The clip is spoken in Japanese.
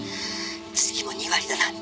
「次も２割だなんて」